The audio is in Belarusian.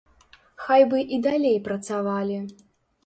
Хай бы і далей працавалі.